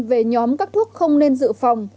về nhóm các thuốc không nên dự phòng